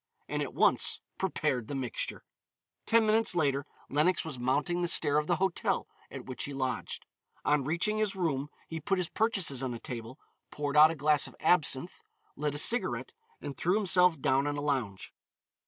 And at once prepared the mixture. Ten minutes later Lenox was mounting the stair of the hotel at which he lodged. On reaching his room he put his purchases on a table, poured out a glass of absinthe, lit a cigarette, and threw himself down on a lounge.